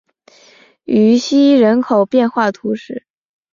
于西人口变化图示